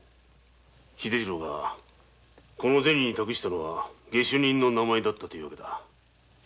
秀次郎がこの銭に託したのは下手人の名前だった訳だ。